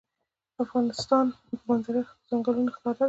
د افغانستان په منظره کې ځنګلونه ښکاره ده.